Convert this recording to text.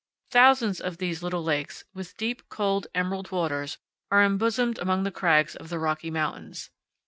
Thousands of these little lakes, with deep, cold, emerald waters, are embosomed among the crags of the Rocky Mountains.